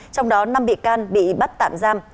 trong đó năm bị can bị bắt tạm giam